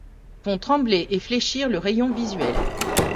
Font trembler et fléchir le rayon visuel !